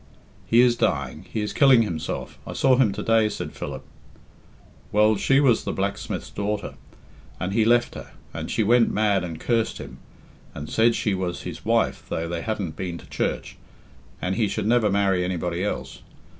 "He is dying; he is killing himself; I saw him to day,' said Philip. "'Well, she was the blacksmith's daughter, and he left her, and she went mad and cursed him, and said she was his wife though they hadn't been to church, and he should never marry anybody else.